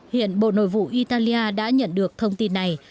hiện bộ nội vụ italia đã nhận được thông tin này